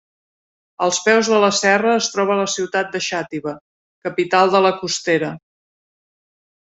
Als peus de la serra es troba la ciutat de Xàtiva, capital de la Costera.